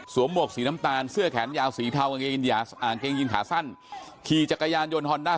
หมวกสีน้ำตาลเสื้อแขนยาวสีเทากางเกงยินขาสั้นขี่จักรยานยนต์ฮอนด้า